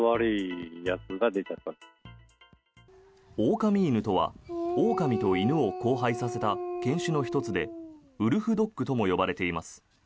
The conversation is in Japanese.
狼犬とはオオカミと犬を交配させた犬種の１つで、ウルフドッグとも呼ばれています。